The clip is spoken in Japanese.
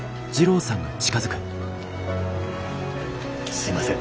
すいません